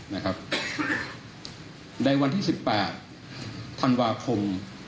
ในวันที่๑๘ธันวาคม